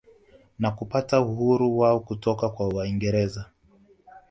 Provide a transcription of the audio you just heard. Na kupata uhuru wao kutoka kwa waingereza